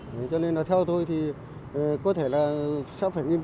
có thể là sẽ phải nghiên cứu như thế nào cho nó hợp lý